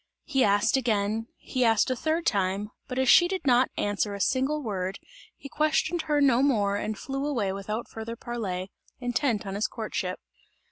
He asked again, he asked a third time, but as she did not answer a single word, he questioned her no more and flew away without further parley, intent on his courtship.